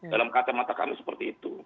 dalam kata mata kami seperti itu